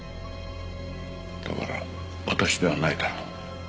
だから私ではないだろう。